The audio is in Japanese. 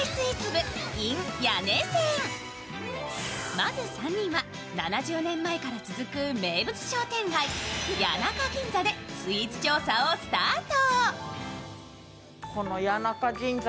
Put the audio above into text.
まず３人は７０年前から続く名物商店街、谷中銀座でスイーツ調査をスタート。